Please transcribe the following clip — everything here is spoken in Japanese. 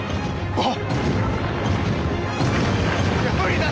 あっ！